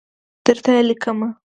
درته لیکمه